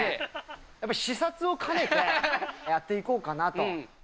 やっぱり視察を兼ねてやっていこうかなと。